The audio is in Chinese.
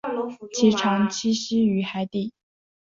其常栖息于海底。